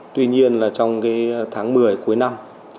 tuy nhiên trong tháng một mươi cuối năm